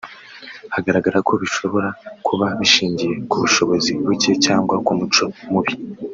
hagaragara ko bishobora kuba bishingiye ku bushobozi buke cyangwa ku muco mubi